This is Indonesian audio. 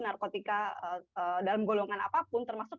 narkotika dalam golongan apapun termasuk